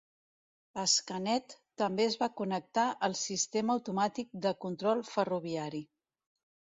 Scanet també es va connectar al sistema automàtic de control ferroviari.